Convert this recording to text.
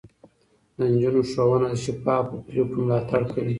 د نجونو ښوونه د شفافو پرېکړو ملاتړ کوي.